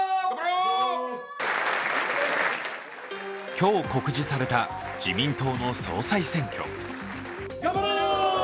今日告示された自民党の総裁選挙。